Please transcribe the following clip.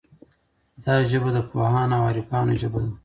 دا ژبه د پوهانو او عارفانو ژبه ده.